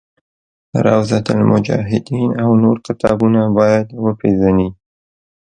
روضة المجاهدین او نور کتابونه باید وپېژني.